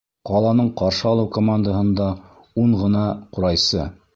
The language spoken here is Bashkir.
Ҡаланың ҡаршы алыу командаһында ун ғына ҡурайсы.